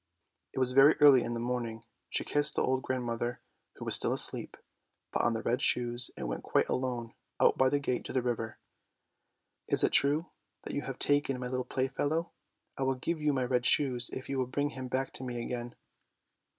" It was very early in the morning; she kissed the old grand mother, who was still asleep, put on the red shoes, and went quite alone, out by the gate to the river. " Is it true that you have taken my little playfellow? I will give you my red shoes if you will bring him back to me again."